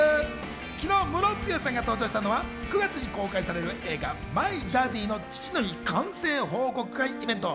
昨日、ムロツヨシさんが登場したのは９月に公開される映画『マイ・ダディ』の父の日完成報告会イベント。